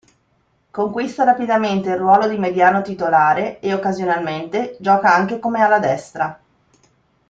Conquista rapidamente il ruolo di mediano titolare ed occasionalmente gioca anche come ala destra.